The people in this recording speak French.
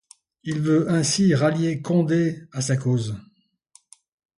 Il veut ainsi rallier Condé à sa cause.